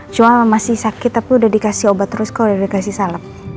cuma masih sakit tapi udah dikasih obat terus kalau udah dikasih salem